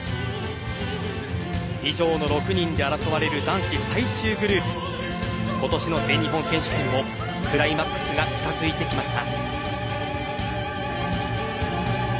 以上の６人で争われる男子最終グループ今年の全日本選手権もクライマックスが近づいてきました。